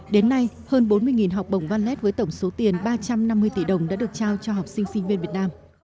đến nay hơn bốn mươi học bổng valet với tổng số tiền ba trăm năm mươi tỷ đồng đã được trao cho học sinh sinh viên việt nam